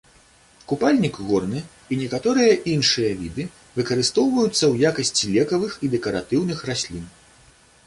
Купальнік горны і некаторыя іншыя віды выкарыстоўваюцца ў якасці лекавых і дэкаратыўных раслін.